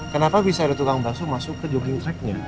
kenapa bisa ada tukang bakso masuk ke jogging tracknya